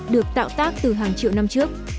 được tạo tác từ hàng triệu năm trước